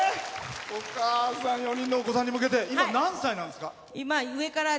お母さん４人のお子さんに向けて今、何歳なんですか？